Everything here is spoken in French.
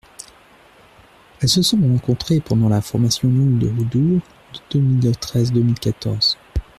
Elles se sont rencontrées pendant la formation longue de Roudour de deux mille treize deux mille quatorze.